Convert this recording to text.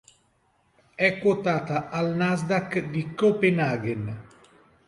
È quotata al Nasdaq di Copenaghen.